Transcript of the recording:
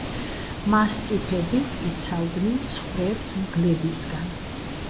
მასტიფები იცავდნენ ცხვრებს მგლებისგან.